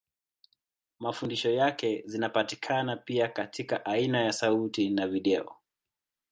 Mafundisho yake zinapatikana pia katika aina ya sauti na video.